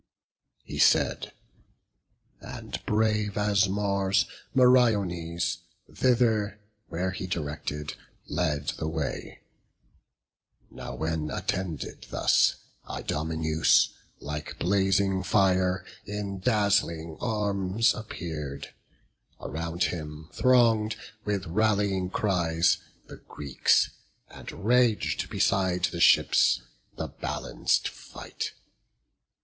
He said: and, brave as Mars, Meriones, Thither where he directed, led the way. Now when, attended thus, Idomeneus, Like blazing fire, in dazzling arms appear'd, Around him throng'd, with rallying cries, the Greeks, And rag'd beside the ships the balanc'd fight.